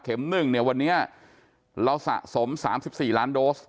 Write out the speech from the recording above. ๑เนี่ยวันนี้เราสะสม๓๔ล้านโดส